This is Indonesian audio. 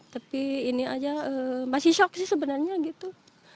tapi ini aja masih shock sih sebenarnya gitu